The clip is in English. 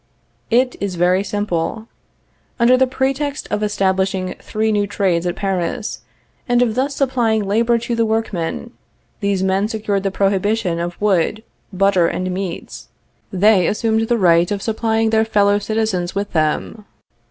_ It is very simple. Under the pretext of establishing three new trades at Paris, and of thus supplying labor to the workmen, these men secured the prohibition of wood, butter, and meats. They assumed the right of supplying their fellow citizens with them.